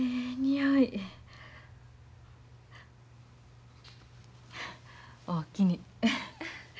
おおきに。